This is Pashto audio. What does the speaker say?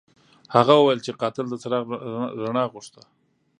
هغه وویل چې قاتل د څراغ رڼا غوښته.